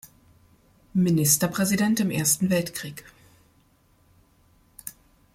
Ministerpräsident im Ersten Weltkrieg.